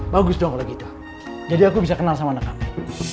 bagus dong kalau gitu jadi aku bisa kenal sama anak kami